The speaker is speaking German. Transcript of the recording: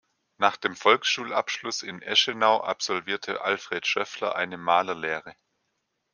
Nach dem Volksschulabschluss in Eschenau absolvierte Alfred Schöffler eine Malerlehre.